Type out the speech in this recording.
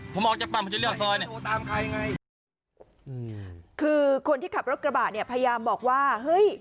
ผมออกจากป่าวผมจะเลือกซ้อยเนี่ยโทรตามใครไงคือคนที่ขับรถกระบะเนี่ยพยายามบอกว่าเฮ้ย